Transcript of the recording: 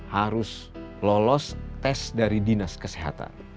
harus lolos tes dari dinas kesehatan